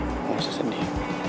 gak usah sedih